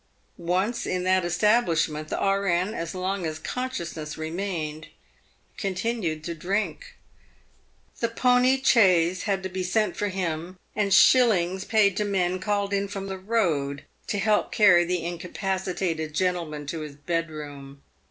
Once in that establishment, the E.N., as long as con sciousness remained, continued to drink. The pony chaise had to be sent for him, and shillings paid to men called in from the road to help carry the incapacitated gentleman to his bedroom.